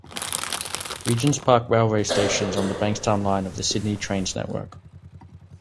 Regents Park railway station is on the Bankstown Line of the Sydney Trains network.